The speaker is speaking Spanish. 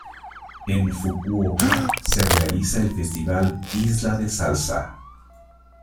En Fukuoka se realiza el Festival Isla de Salsa.